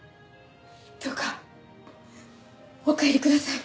どうかお帰りください。